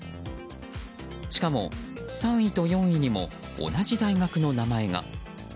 しかも、３位と４位にも同じ大学の名前が。